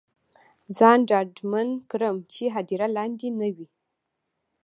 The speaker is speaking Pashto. ځان ډاډمن کړم چې هدیره لاندې نه وي.